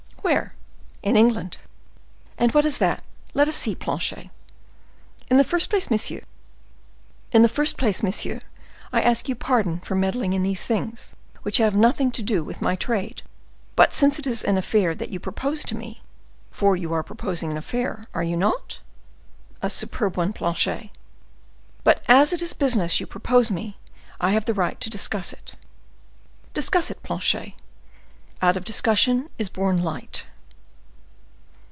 "Where?" "In England." "And what is that? Let us see, Planchet." "In the first place, monsieur, I ask you pardon for meddling in these things, which have nothing to do with my trade; but since it is an affair that you propose to me—for you are proposing an affair, are you not?—" "A superb one, Planchet." "But as it is business you propose to me, I have the right to discuss it." "Discuss it, Planchet; out of discussion is born light."